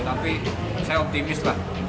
tapi saya optimis lah